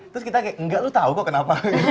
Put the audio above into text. terus kita kayak enggak lo tau kok kenapa